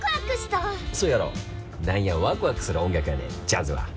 何やワクワクする音楽やねんジャズは。